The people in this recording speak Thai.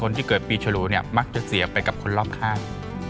ที่เกิดปีฉลูเนี่ยมักจะเสียไปกับคนรอบข้าง